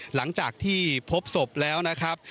หลังจากที่พบศพแล้วนะครับ